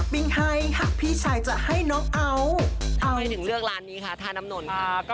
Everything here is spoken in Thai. ไม่ได้ถึงเลือกร้านนี้ค่ะทาน้ำนท์